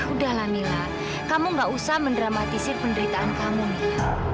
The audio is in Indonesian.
udah lah mila kamu gak usah mendramatisir penderitaan kamu mila